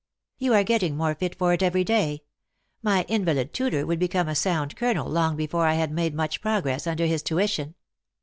" You are getting more fit for it every day. My invalid tutor would become a sound colonel long be fore I had made much progress under his tuition."